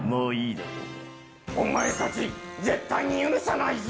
お前たち、絶対に許さないぞ！